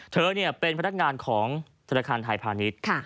เธอเป็นพนักงานของธนาคารไทยพาณิชย์